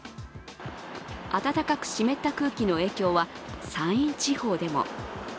暖かく湿った空気の影響は山陰地方でも。